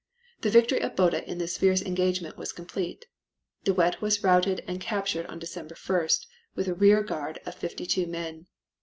The victory of Botha in this fierce engagement was complete. De Wet was routed and was captured on December 1st with a rear guard of fifty two men.